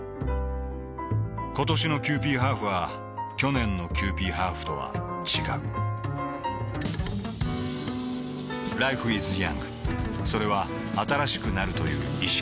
ことしのキユーピーハーフは去年のキユーピーハーフとは違うＬｉｆｅｉｓｙｏｕｎｇ．それは新しくなるという意識